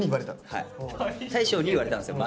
はい大昇に言われたんですよ